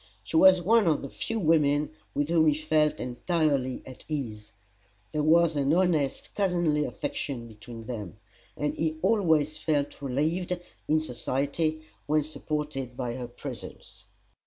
She was one of the few women with whom he felt entirely at ease. There was an honest, cousinly affection between them; and he always felt relieved, in society, when supported by her presence.